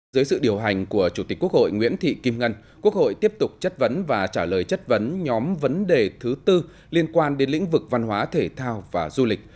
dưới sự điều hành của chủ tịch quốc hội nguyễn thị kim ngân quốc hội tiếp tục chất vấn và trả lời chất vấn nhóm vấn đề thứ tư liên quan đến lĩnh vực văn hóa thể thao và du lịch